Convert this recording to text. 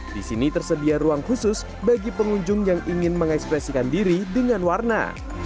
di sini tersedia ruang khusus bagi pengunjung yang ingin mengekspresikan diri dengan warna